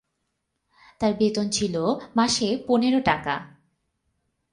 তার বেতন ছিল মাসে পনেরো টাকা।